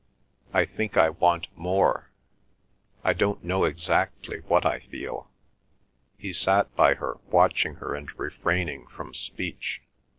"I think I want more. I don't know exactly what I feel." He sat by her, watching her and refraining from speech.